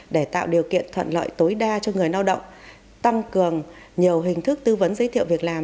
để tạo điều kiện thuận lợi tối đa cho người lao động tăng cường nhiều hình thức tư vấn giới thiệu việc làm